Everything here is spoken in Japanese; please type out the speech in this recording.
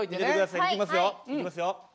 いきますよ。